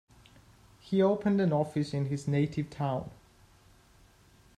He opened an office in his native town.